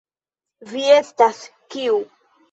Vi estas, kiu.